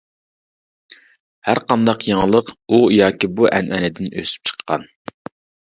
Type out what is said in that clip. ھەرقانداق يېڭىلىق ئۇ ياكى بۇ ئەنئەنىدىن ئۆسۈپ چىققان.